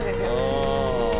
うん。